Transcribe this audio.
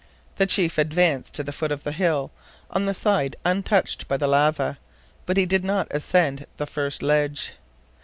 The chief advanced to the foot of the hill, on the side untouched by the lava, but he did not ascend the first ledge.